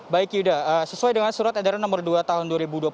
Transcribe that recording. baik yuda sesuai dengan surat edaran nomor dua tahun dua ribu dua puluh satu